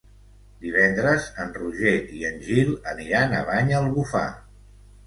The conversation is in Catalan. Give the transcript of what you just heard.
Divendres en Roger i en Gil aniran a Banyalbufar.